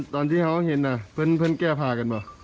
ตอนที่เขาเห็นเพื่อนแก้พากันว่ะ